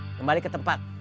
kembali ke tempat